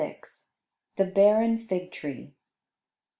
] THE BARREN FIG TREE.